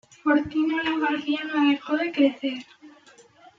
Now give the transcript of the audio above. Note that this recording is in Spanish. Fortín Olavarría no dejó de crecer.